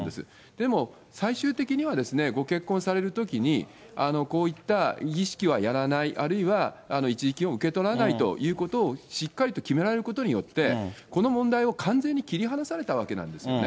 でも最終的には、ご結婚されるときに、こういった儀式はやらない、あるいは一時金を受け取らないということを、しっかりと決められることによって、この問題を完全に切り離されたわけなんですよね。